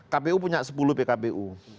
kpu punya sepuluh pkpu